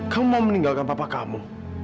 kamu mau meninggalkan papa kamu